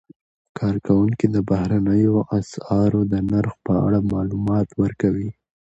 کارکوونکي د بهرنیو اسعارو د نرخ په اړه معلومات ورکوي.